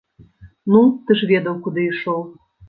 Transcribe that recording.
Ну, ты ж ведаў, куды ішоў!